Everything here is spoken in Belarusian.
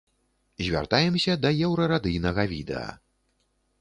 Звяртаемся да еўрарадыйнага відэа.